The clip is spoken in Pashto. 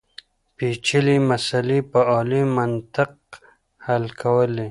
پېچلې مسلې په عالي منطق حل کولې.